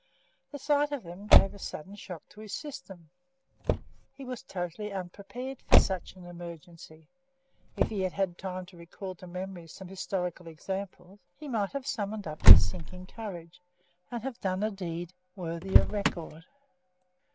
The sight of them gave a sudden shock to his system. He was totally unprepared for such an emergency. If he had had time to recall to memory some historical examples, he might have summoned up his sinking courage, and have done a deed worthy of record.